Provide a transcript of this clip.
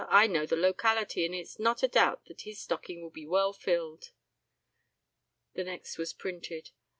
"I know the locality, and there's not a doubt but that his stocking will be well filled." The next was printed.